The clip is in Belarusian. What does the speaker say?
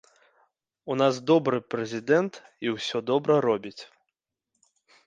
У нас добры прэзідэнт і усе добра робіць.